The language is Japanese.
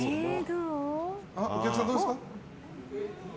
お客さん、どうですか？